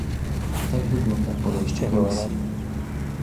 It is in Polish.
Tak wygląda podejście Komisji